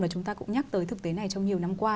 và chúng ta cũng nhắc tới thực tế này trong nhiều năm qua